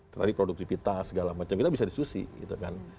tadi produktivitas segala macam kita bisa diskusi gitu kan